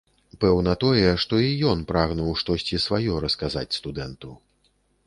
Пэўна тое, што і ён прагнуў штосьці сваё расказаць студэнту.